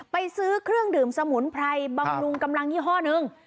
ซื้อเครื่องดื่มสมุนไพรบำรุงกำลังยี่ห้อหนึ่ง